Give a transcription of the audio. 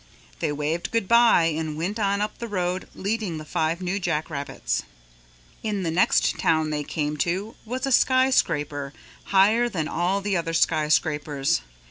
They waved good by and went on up the road leading the five new jack rabbits. In the next town they came to was a skyscraper higher than all the other skyscrapers.